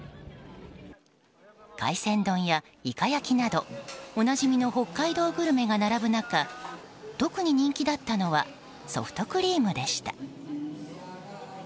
海鮮丼やイカ焼きなどおなじみの北海道グルメが並ぶ中特に人気だったのはソフトクリームでした。